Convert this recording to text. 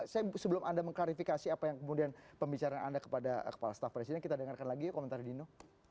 saya sebelum anda mengklarifikasi apa yang kemudian pembicaraan anda kepada kepala staff pada sini kita dengarkan lagi komentar dino